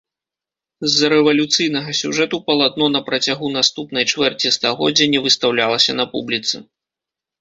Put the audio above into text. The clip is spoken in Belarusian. З-за рэвалюцыйнага сюжэту палатно на працягу наступнай чвэрці стагоддзя не выстаўлялася на публіцы.